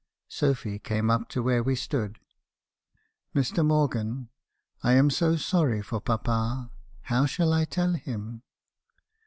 " Sophy came up to where we stood. "Mr. Morgan! I am so sorry for papa. How shall I tell him?